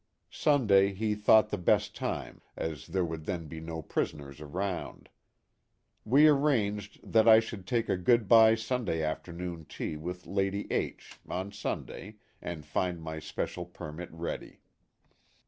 Sunday he thought the best time, as there would then be no prisoners around. We ar ranged that I should take a good by afternoon tea with Lady H on Sunday, and find my special permit ready.